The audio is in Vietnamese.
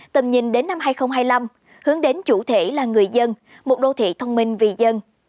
tầm nhìn đến năm hai nghìn hai mươi năm hướng đến chủ thể là người dân một đô thị thông minh vì dân